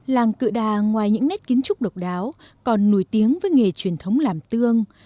làng cự đà ngoài những nét kiến trúc độc đáo còn nổi tiếng với nghề truyền thống làm tương